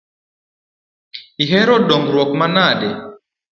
Ihero dondruok manade?